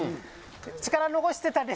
力残してたんで。